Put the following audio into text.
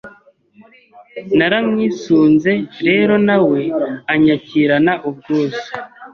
Naramwisunze rero na we anyakirana ubwuzu